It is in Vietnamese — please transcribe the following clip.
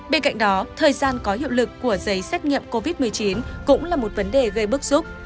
bên cạnh đó thời gian có hiệu lực của giấy xét nghiệm covid một mươi chín cũng là một vấn đề gây bức xúc